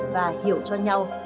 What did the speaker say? và hiểu cho nhau